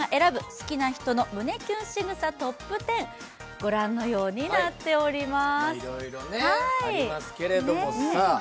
好きな人の胸キュンしぐさトップ１０、ご覧のようになっております。